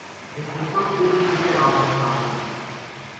defensor público-geral do Estado